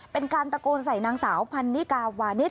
เป็นการตะโกนใส่นางสาวพันนิกาวานิส